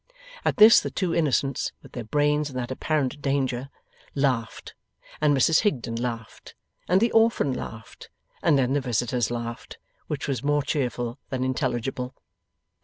At this the two innocents, with their brains in that apparent danger, laughed, and Mrs Higden laughed, and the orphan laughed, and then the visitors laughed. Which was more cheerful than intelligible.